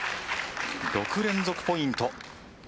６連続ポイント。